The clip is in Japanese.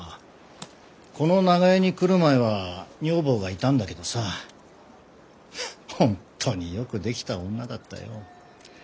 この長屋に来る前は女房がいたんだけどさフッ本当によくできた女だったよ。